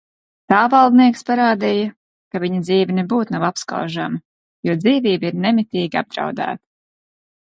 Tā valdnieks parādīja, ka viņa dzīve nebūt nav apskaužama, jo dzīvība ir nemitīgi apdraudēta.